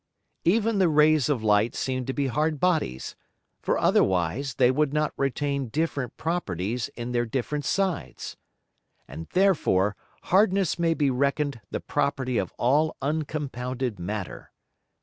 Even the Rays of Light seem to be hard Bodies; for otherwise they would not retain different Properties in their different Sides. And therefore Hardness may be reckon'd the Property of all uncompounded Matter.